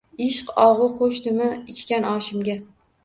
Ishq og‘u qo‘shdimi ichgan oshimga